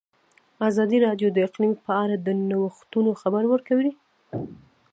ازادي راډیو د اقلیم په اړه د نوښتونو خبر ورکړی.